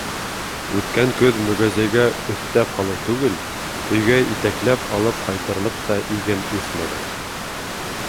Үткән көҙ мөгәзәйгә өҫтәп һалыу түгел, өйгә итәкләп алып ҡайтырлыҡ та иген үҫмәне.